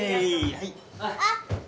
はい。